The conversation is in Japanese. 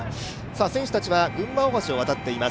選手たちは群馬大橋を渡っています。